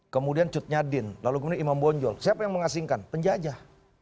kemudian cutnyadin lalu kemudian imam bonjol siapa yang mengasingkan penjajah